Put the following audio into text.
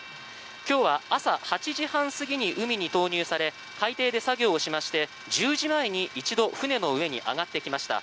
今日は朝８時半過ぎに海に投入され海底で作業をしまして１０時前に１度、船の上に上がってきました。